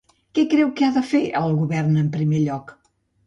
Què creu que ha de fer el govern en primer lloc?